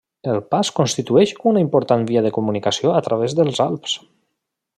El pas constitueix una important via de comunicació a través dels Alps.